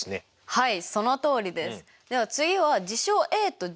はい。